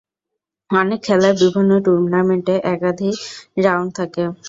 অনেক খেলার বিভিন্ন টুর্নামেন্টে একাধিক রাউন্ড থাকে।